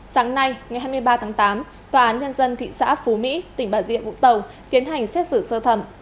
sáng nay ngày hai mươi ba tháng tám tòa án nhân dân thị xã phú mỹ tỉnh bà diệm vũng tàu tiến hành xét xử sơ thẩm